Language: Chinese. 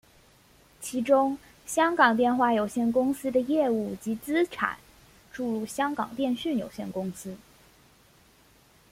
其中香港电话有限公司的业务及资产注入香港电讯有限公司。